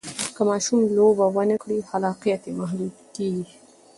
که ماشوم لوبه ونه کړي، خلاقیت یې محدود کېږي.